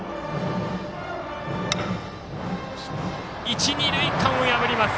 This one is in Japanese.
一塁二塁間を破ります。